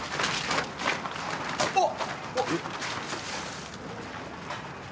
あっ！？